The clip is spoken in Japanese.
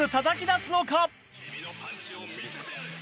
君のパンチを見せてやれ！